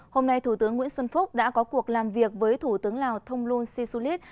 hôm nay thủ tướng nguyễn xuân phúc đã có cuộc làm việc với thủ tướng lào thông luân si su lít